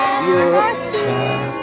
terima kasih ya